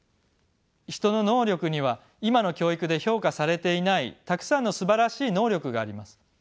人の能力には今の教育で評価されていないたくさんのすばらしい能力があります。